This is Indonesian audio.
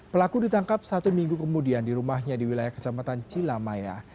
pelaku ditangkap satu minggu kemudian di rumahnya di wilayah kecamatan cilamaya